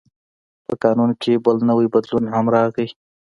په قانون کې بل نوی بدلون هم راغی.